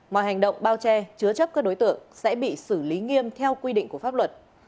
mọi hành động bao che chứa chấp các đối tượng sẽ bị xử lý nghiêm theo quy định của pháp luật